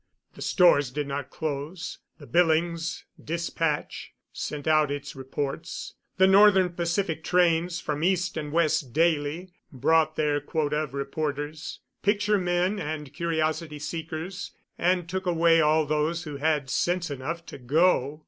The stores did not close; the Billings Dispatch sent out its reports; the Northern Pacific trains from east and west daily brought their quota of reporters, picture men and curiosity seekers, and took away all who had sense enough to go.